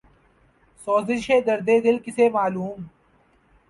سوزش درد دل کسے معلوم